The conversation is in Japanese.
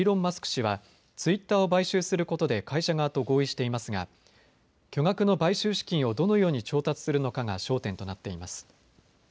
氏はツイッターを買収することで会社側と合意していますが巨額の買収資金をどのように調達するのかが焦点となっています。